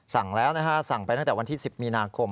สั่งแล้วนะฮะสั่งไปตั้งแต่วันที่๑๐มีนาคม